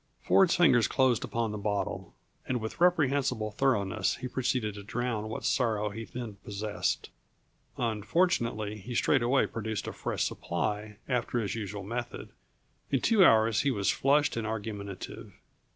Ford's fingers closed upon the bottle, and with reprehensible thoroughness he proceeded to drown what sorrows he then possessed. Unfortunately he straightway produced a fresh supply, after his usual method. In two hours he was flushed and argumentative.